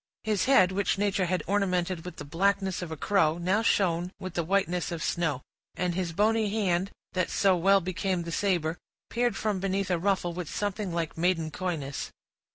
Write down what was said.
His head, which nature had ornamented with the blackness of a crow, now shone with the whiteness of snow; and his bony hand, that so well became the saber, peered from beneath a ruffle with something like maiden coyness.